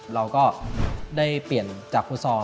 เราก็ได้เปลี่ยนจากฟุตซอล